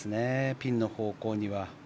ピンの方向には。